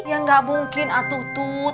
ya gak mungkin atutut